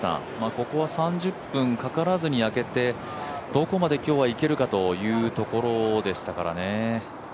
ここは３０分かからずに明けてどこまで今日はいけるかというところでしたからね。